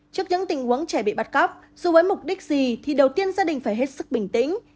trước những tình huống trẻ bị bắt cóc dù với mục đích gì thì đầu tiên gia đình phải hết sức bình tĩnh